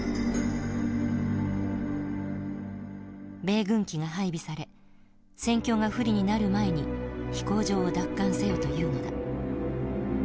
米軍機が配備され戦況が不利になる前に飛行場を奪還せよというのだ。